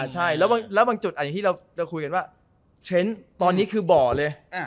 ใช่แล้วบางแล้วบางจุดอันนี้ที่เราเราคุยกันว่าเช้นตอนนี้คือบ่อเลยอ่า